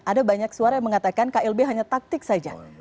ada banyak suara yang mengatakan klb hanya taktik saja